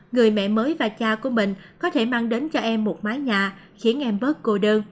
người mẹ mới và cha của mình có thể mang đến cho em một mái nhà khiến em bớt cô đơn